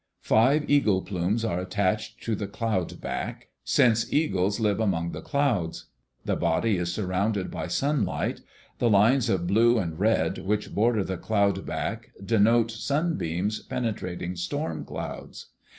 Five eagle plumes are attached to the cloud back, since eagles live among the clouds. The body is surrounded by sunlight. The lines of blue and red which border the cloud back denote sunbeams penetrating storm clouds.